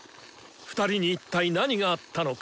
２人に一体何があったのか！